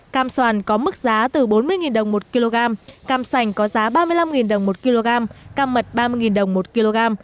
cam soàn có mức giá từ bốn mươi đồng một kg cam sành có giá ba mươi năm đồng một kg cam mật ba mươi đồng một kg